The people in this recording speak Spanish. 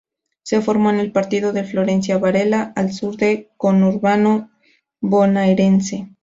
Se formó en el partido de Florencio Varela, al sur del Conurbano Bonaerense.